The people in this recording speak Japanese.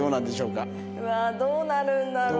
うわーどうなるんだろう？